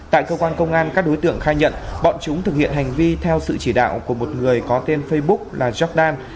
tại cơ quan công an các đối tượng khai nhận bọn chúng thực hiện hành vi theo sự chỉ đạo của một người có tên facebook là jordan